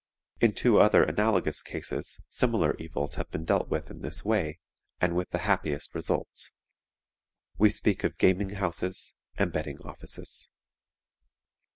In two other analogous cases similar evils have been dealt with in this way, and with the happiest results: we speak of gaming houses and betting offices.